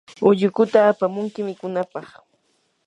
ullukuta apamunki mikunapaq.